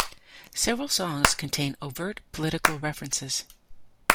Several songs contain overt political references.